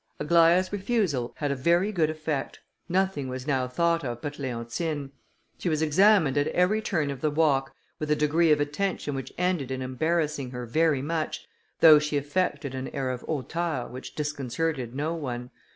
Aglaïa's refusal had a very good effect; nothing was now thought of but Leontine. She was examined at every turn of the walk, with a degree of attention which ended in embarrassing her very much, though she affected an air of hauteur which disconcerted no one.